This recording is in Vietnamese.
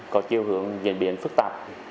có chiêu hưởng diễn biến phức tạp